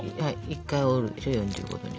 １回折るでしょ４５度に。